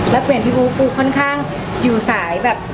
แล้วกางที่ปูปูค่อนข้างอยู่สายแบบ